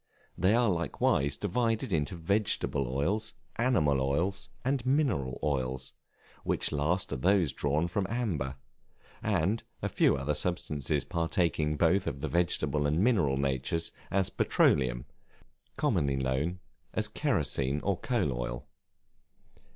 They are likewise divided into vegetable oils, animal oils, and mineral oils; which last are those drawn from amber, and a few other substances partaking both of the vegetable and mineral natures, as Petroleum, commonly known as kerosene or coal oil.